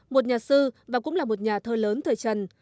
một nhà sư và cũng là một nhà thơ lớn thời trần